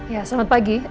ya selamat pagi